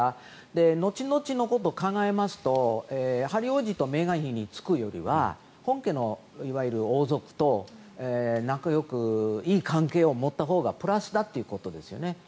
後々のことを考えますとヘンリー王子とメーガン妃につくよりは本家のいわゆる王族と仲よくいい関係を持ったほうがプラスだということですよね。